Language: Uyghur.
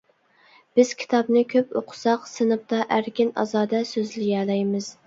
بىز كىتابنى كۆپ ئوقۇساق، سىنىپتا ئەركىن-ئازادە سۆزلىيەلەيمىز.